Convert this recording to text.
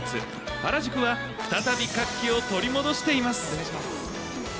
原宿は再び活気を取り戻しています。